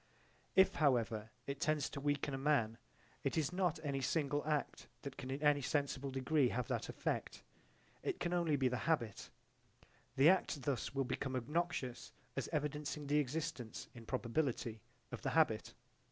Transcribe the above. If however it tends to weaken a man it is not any single act that can in any sensible degree have that effect. It can only be the habit: the act thus will become obnoxious as evidencing the existence, in probability, of the habit.